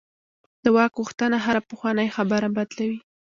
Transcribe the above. د واک غوښتنه هره پخوانۍ خبره بدلوي.